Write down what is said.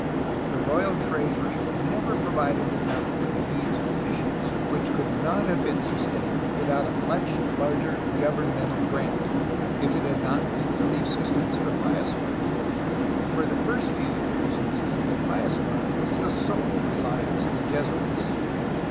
The royal treasury never provided enough for the needs of the missions, which could not have been sustained without a much larger governmental grant if it had not been for the assistance of the Pious Fund; for the first few years, indeed, the Pious Fund was the sole reliance of the Jesuits.